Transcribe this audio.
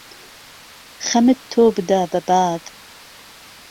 خەمت تۆ بده به باد